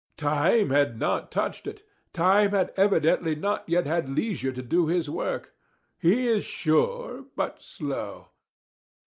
Time had not touched it. Time had evidently not yet had leisure to do his work. He is sure, but slow.